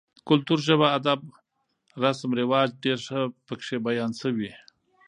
کلتور, ژبه ، اداب، رسم رواج ډېر ښه پکې بيان شوي